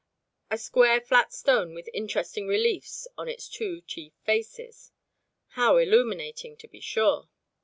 A square flat stone with interesting reliefs on its two chief faces._" How illuminating to be sure!